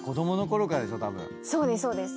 そうですそうです。